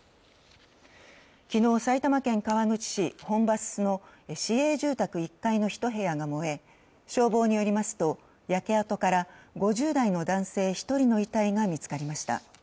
昨日埼玉県川口市本蓮の市営住宅１階の１部屋が燃え消防によりますと焼け跡から５０代の男性１人の遺体が見つかりました。